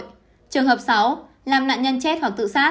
trường hợp sáu làm nạn nhân chết hoặc tự sát